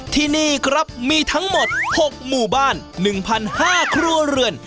ที่นี่ครับมีทั้งหมด๖หมู่บ้าน๑๕๐๐ครัวเรือน